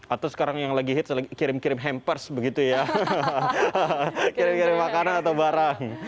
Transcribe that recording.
atau sekarang yang lagi hits lagi kirim kirim hampers begitu ya kirim kirim makanan atau barang